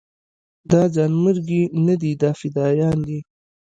دا ځانمرګي نه دي دا فدايان دي.